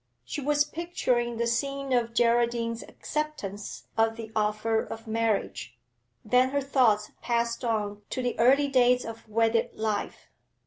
She was picturing the scene of Geraldine's acceptance of the offer of marriage; then her thoughts passed on to the early days of wedded life.